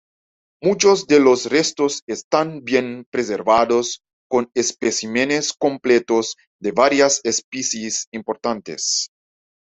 Muchos de los restos están bien preservados, con especímenes completos de varias especies importantes.